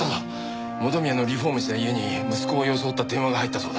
元宮のリフォームした家に息子を装った電話が入ったそうだ。